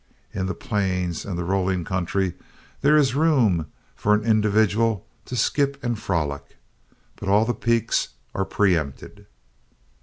In the plains and the rolling country there is room for an individual to skip and frolic, but all the peaks are pre empted.